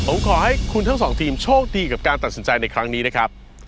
ผมขอให้คุณทั้งสองทีมโชคดีกับการตัดสินใจในครั้งนี้นะครับ